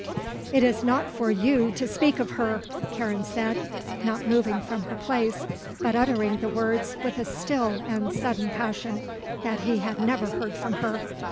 "It is not for you to speak of her!" Karen said, not moving from her place but uttering the words with a still and sudden passion that he had never heard from her.